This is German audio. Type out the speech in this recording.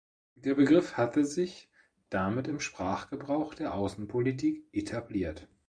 Der Begriff hatte sich damit im Sprachgebrauch der Außenpolitik etabliert.